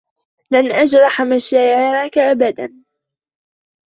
لن أجرح مشاعرك أبدا